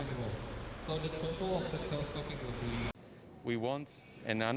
jadi dari apa yang saya lihat